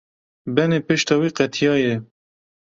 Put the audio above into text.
Benê pişta wî qetiyaye.